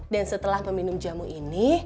dan setelah meminum jamu ini